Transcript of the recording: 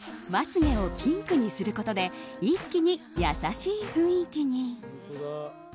まつげをピンクにすることで一気に優しい雰囲気に。